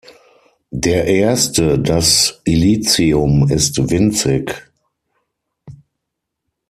Der erste, das „Illicium“ ist winzig.